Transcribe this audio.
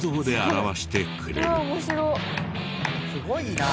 すごいな。